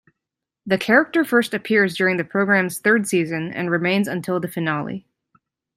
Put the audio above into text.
The character first appears during the program's third season and remains until the finale.